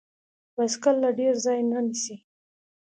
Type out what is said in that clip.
بایسکل له ډیر ځای نه نیسي.